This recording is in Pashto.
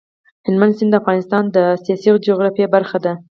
هلمند سیند د افغانستان د سیاسي جغرافیه برخه ده.